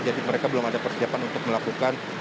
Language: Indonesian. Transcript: jadi mereka belum ada persiapan untuk melakukan